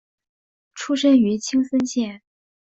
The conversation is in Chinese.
出身于青森县。